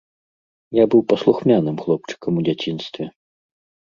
Я быў паслухмяным хлопчыкам у дзяцінстве.